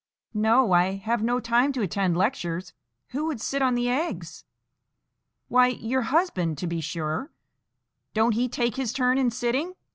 "No, I have no time to attend lectures. Who would sit on the eggs?" "Why, your husband, to be sure; don't he take his turn in sitting?